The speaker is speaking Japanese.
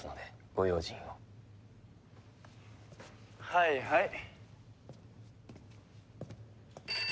はいはい。